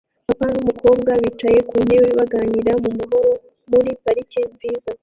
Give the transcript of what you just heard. Papa n'umukobwa bicaye ku ntebe baganira mu mahoro muri parike nziza